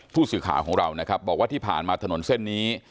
ผู้สื่อข่าวของเรานะครับบอกว่าที่ผ่านมาถนนเส้นนี้